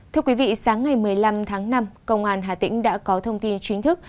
thưa quý vị sáng ngày một mươi năm tháng năm công an hà tĩnh đã có thông tin chính thức